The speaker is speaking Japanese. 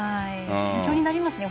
勉強になりますね。